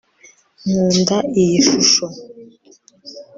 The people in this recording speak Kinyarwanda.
nkunda iyi shusho